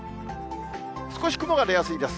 少し雲が出やすいです。